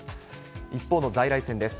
一方の在来線です。